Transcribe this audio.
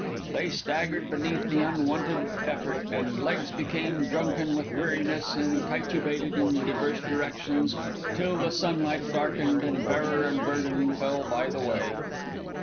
They staggered beneath the unwonted effort, and legs became drunken with weariness and titubated in divers directions till the sunlight darkened and bearer and burden fell by the way.